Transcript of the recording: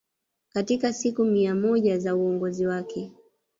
katika siku mia moja za uongozi wake